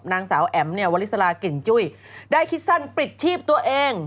นางสาวแอ๋มเนี่ยวลิสลากลิ่นจุ้ยได้คิดสั้นปลิดชีพตัวเอง